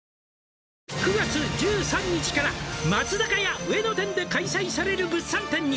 「９月１３日から松坂屋上野店で開催される物産展に」